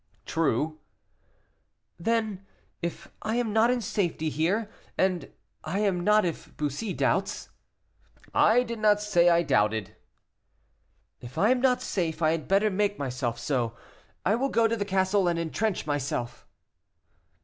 "True." "Then if I am not in safety here and I am not if Bussy doubts " "I did not say I doubted." "If I am not safe, I had better make myself so. I will go to the castle and entrench myself."